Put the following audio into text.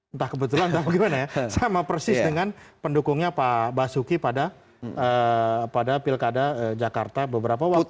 entah kebetulan atau bagaimana ya sama persis dengan pendukungnya pak basuki pada pilkada jakarta beberapa waktu